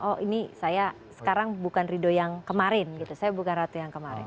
oh ini saya sekarang bukan ridho yang kemarin gitu saya bukan ratu yang kemarin